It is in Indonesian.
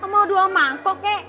mau dua mangkoknya